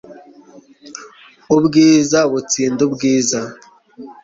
ubwiza butsinda ubwiza